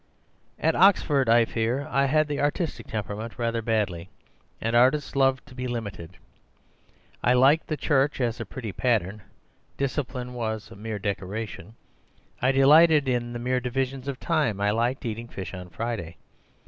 "At Oxford, I fear, I had the artistic temperament rather badly; and artists love to be limited. I liked the church as a pretty pattern; discipline was mere decoration. I delighted in mere divisions of time; I liked eating fish on Friday.